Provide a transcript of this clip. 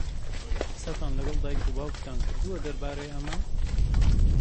قسەتان لەگەڵ دایک و باوکتان کردووە دەربارەی ئەمە؟